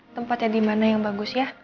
tempatnya dimana yang bagus ya